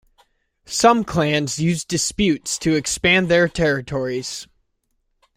Some clans used disputes to expand their territories.